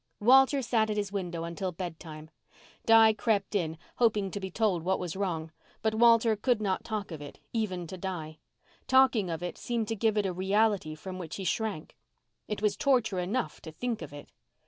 Walter sat at his window until bedtime. Di crept in, hoping to be told what was wrong, but Walter could not talk of it, even to Di. Talking of it seemed to give it a reality from which he shrank. It was torture enough to think of it.